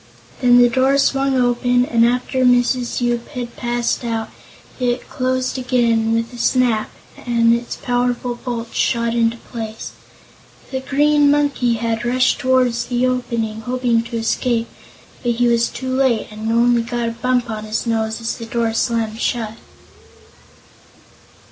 Then the door swung open and after Mrs. Yoop had passed out it closed again with a snap as its powerful bolts shot into place. The Green Monkey had rushed toward the opening, hoping to escape, but he was too late and only got a bump on his nose as the door slammed shut.